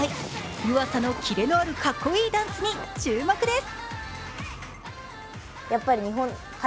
湯浅のキレのあるかっこいいダンスに注目です。